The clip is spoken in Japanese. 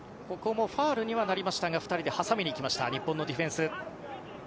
ファウルにはなりましたが２人で挟みに行きました日本のディフェンス。